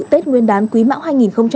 tết nguyên đán quý mão hai nghìn hai mươi